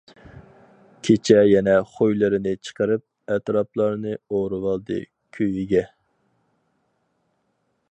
كېچە يەنە خۇيلىرىنى چىقىرىپ، ئەتراپلارنى ئورىۋالدى كۈيىگە.